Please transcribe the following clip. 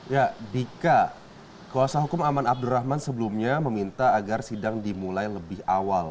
ya dika kuasa hukum aman abdurrahman sebelumnya meminta agar sidang dimulai lebih awal